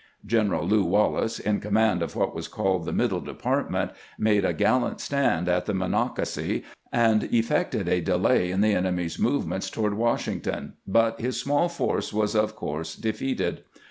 General Lew Wallace, in command of what was called EAELY'S KAID ON WASHINGTON 239 the Middle Department, made a gallant stand at the Monocacy, and effected a delay in the enemy's move ments toward "Washington ; but his small force was of course defeated.